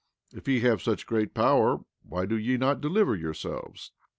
If ye have such great power why do ye not deliver yourselves?